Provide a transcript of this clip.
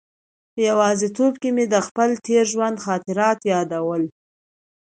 په یوازې توب کې مې د خپل تېر ژوند خاطرات یادول.